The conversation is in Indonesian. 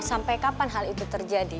sampai kapan hal itu terjadi